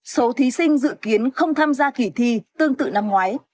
số thí sinh dự kiến không tham gia kỳ thi tương tự năm ngoái